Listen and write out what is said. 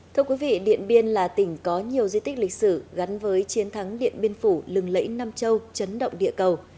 thưa quý vị điện biên là tỉnh có nhiều di tích lịch sử gắn với chiến thắng điện biên phủ lừng lẫy nam châu chấn động địa cầu